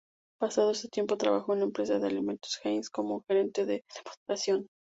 Pasado este tiempo, trabajó en la empresa de alimentos Heinz como Gerente de Demostración.